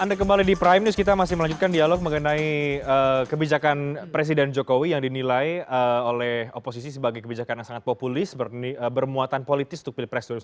anda kembali di prime news kita masih melanjutkan dialog mengenai kebijakan presiden jokowi yang dinilai oleh oposisi sebagai kebijakan yang sangat populis bermuatan politis untuk pilpres dua ribu sembilan belas